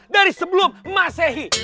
dari sebelum masehi